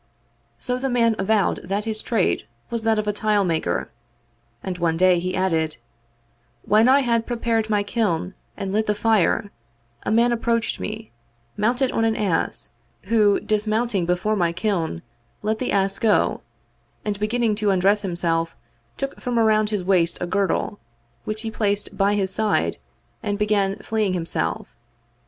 So the man avowed that his trade was that of a tilemaker; and one day, added he, " when I had prepared my kiln, and lit the fire, a man approached me, mounted on an ass, who, dis mounting before my kiln, let the ass go, and beginning to undress himself, took from around his waist a girdle, which he placed by his side and began fleaing himself.